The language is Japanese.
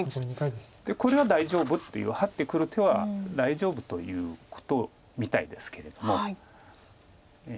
これは大丈夫というハッてくる手は大丈夫ということみたいですけれども。